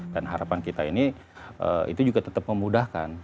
dan harapan kita ini itu juga tetap memudahkan